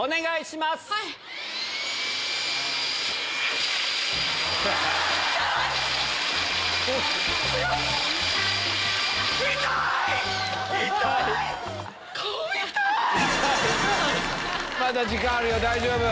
まだ時間あるよ大丈夫！